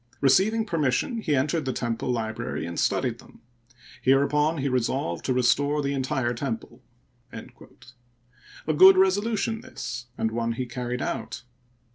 Receiving permission, he entered the temple library and studied them. Hereupon he resolved to re store the entire temple." A good resolution, this, and one he carried out.